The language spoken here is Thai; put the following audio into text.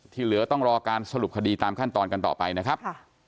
เหลือต้องรอการสรุปคดีตามขั้นตอนกันต่อไปนะครับ